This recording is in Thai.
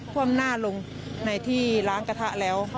ว่มหน้าลงในที่ล้างกระทะแล้ว